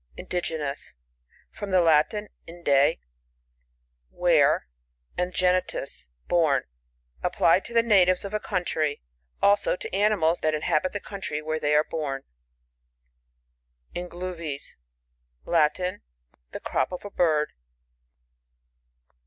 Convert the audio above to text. Indigenous. — From the Latin, inde, where, and genitus, born. Applied to the natives of a country ; also, to animals that inhabit the c nntry where they are born. Inoluvies Latin. The crop of a bird.